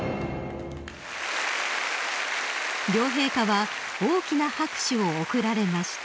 ［両陛下は大きな拍手を送られました］